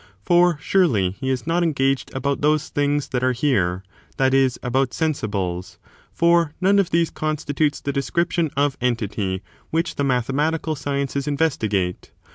for, surely, he is not engaged about those things that are here, — that is, about sensibles, — for none of these constitutes the description of entity which the mathematical sciences investi gate.